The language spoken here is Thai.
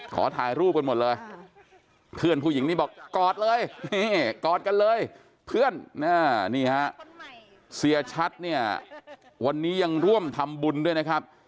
ขอถ่ายรูปกันหมดเลยเพื่อนผู้หญิงนี่บอกกอดเลยนี่กอดกันเลยเพื่อนนี่ฮะเสียชัดเนี่ยวันนี้ยังร่วมทำบุญด้วยนะครับ